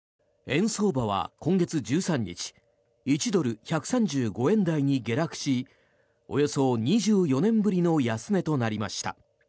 円相場は今月１３日１ドル＝１３５円台に下落しおよそ２４年ぶりの安値となりました。